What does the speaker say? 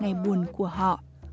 ngày buồn của họ